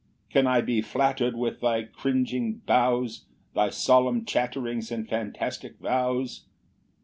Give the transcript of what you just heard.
10 "Can I be flatter'd with thy cringing bows, "Thy solemn chatterings and fantastic vows?